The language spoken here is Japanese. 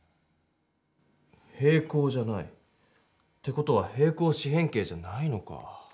平行じゃない。って事は平行四辺形じゃないのか。